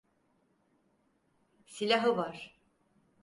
Silahı var.